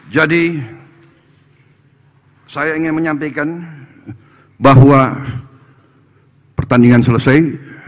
jadi saya ingin menyampaikan bahwa pertandingan selesai